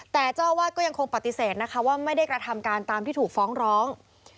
แต่เจ้าอาวาสก็ยังคงปฏิเสธนะคะว่าไม่ได้กระทำการตามที่ถูกฟ้องร้อง